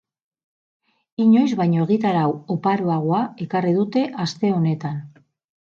Inoiz baino egitarau oparoagoa ekarri dute aste honetan.